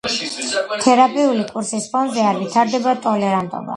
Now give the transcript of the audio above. თერაპიული კურსის ფონზე არ ვითარდება ტოლერანტობა.